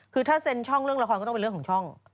ก็ถ้าเซนกับช่องเรื่องราคาก็ว่าของช่อง